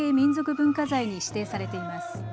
文化財に指定されています。